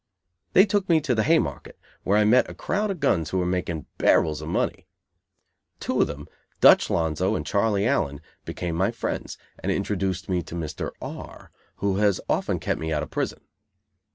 They took me to the Haymarket, where I met a crowd of guns who were making barrels of money. Two of them, Dutch Lonzo and Charlie Allen, became my friends, and introduced me to Mr. R , who has often kept me out of prison.